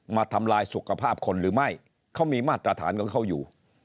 ทำลายสุขภาพคนหรือไม่เขามีมาตรฐานของเขาอยู่